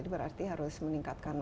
berarti harus meningkatkan